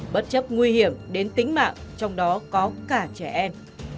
bất chấp nguy hiểm đến tính mạng trong đó có cả trẻ em